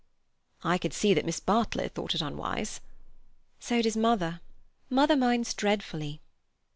"I could see that Miss Bartlett thought it unwise." "So does mother. Mother minds dreadfully."